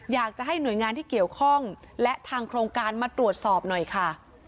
อยากจะให้หน่วยงานที่เกี่ยวข้องและทางโครงการมาตรวจสอบหน่อยค่ะ